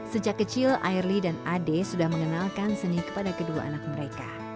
sejak kecil airly dan ade sudah mengenalkan seni kepada kedua anak mereka